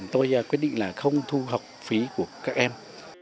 tôi quyết định là không thu học phí của các em